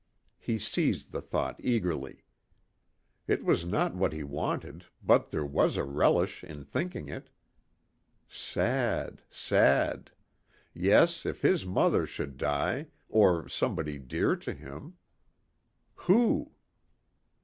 He seized the thought eagerly. It was not what he wanted but there was a relish in thinking it. Sad ... sad ... yes, if his mother should die or somebody dear to him. Who?